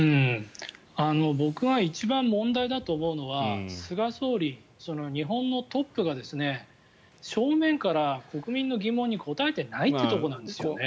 僕は一番問題だと思っているのは菅総理、日本のトップが正面から国民の疑問に答えていないってところなんですよね。